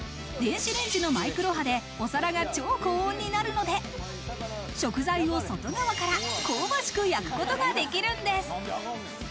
電子レンジのマイクロ波でお皿が超高温になるので食材を外側から、香ばしく焼くことができるんです。